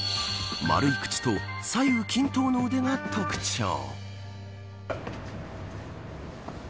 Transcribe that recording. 丸い口と左右均等の腕が特徴。